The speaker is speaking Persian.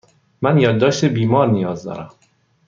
من یادداشت بیمار نیاز دارم.